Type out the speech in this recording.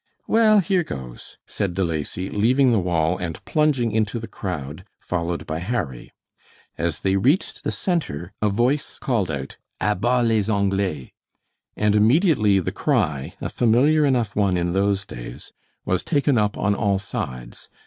"Well, here goes," said De Lacy, leaving the wall and plunging into the crowd, followed by Harry. As they reached the center a voice called out: "A bas les Anglais!" And immediately the cry, a familiar enough one in those days, was taken up on all sides.